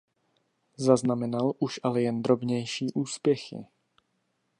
Zaznamenal už ale jen drobnější úspěchy.